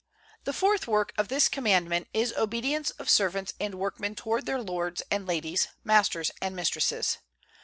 The fourth work of this Commandment is obedience of servants and workmen toward their lords and ladies, masters and mistresses.